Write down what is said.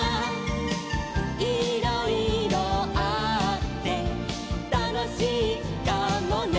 「いろいろあってたのしいかもね」